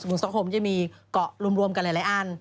กรุงสต๊อกโฮมจะมีเกาะรวมกันหลายอัน